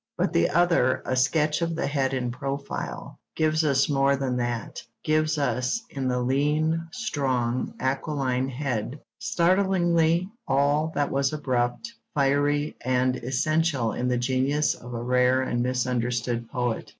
But the other, a sketch of the head in profile, gives us more than that; gives us, in the lean, strong, aquiline head, startlingly, all that was abrupt, fiery, and essential in the genius of a rare and misunderstood poet.